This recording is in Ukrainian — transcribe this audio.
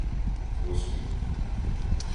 Восьмий